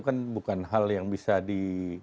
kan bukan hal yang bisa di